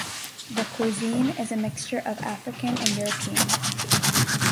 The cuisine is a mixture of African and European.